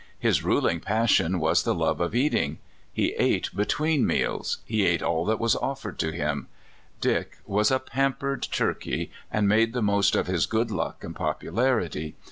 His ruling passion was the love of eating. He ate be tween meals. He ate all that w^as offered to him. Dick was a pampered turkey, and made the most of his good luck and popularity.